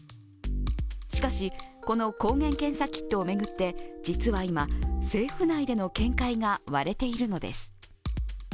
しかし、この抗原検査キットを巡って実は今、政府内での見解が割れているのです。